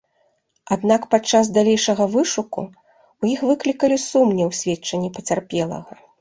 Аднак падчас далейшага вышуку ў іх выклікалі сумнеў сведчанні пацярпелага.